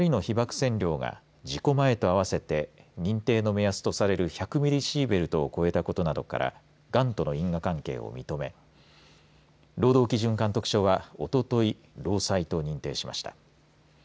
線量が事故前と合わせて認定の目安とされる１００ミリシーベルトを超えたことなどからがんとの因果関係を認め労働基準監督署はおととい、労災と認定しました。